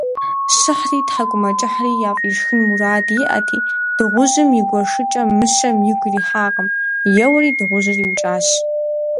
Щыхьри, тхьэкӏумэкӏыхьри яфӏишхын мурад иӏэти, дыгъужьым и гуэшыкӏэр мыщэм игу ирихьакъым: еуэри дыгъужьыр иукӏащ.